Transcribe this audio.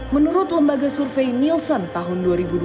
menurut lembaga survei nielsen tahun dua ribu dua puluh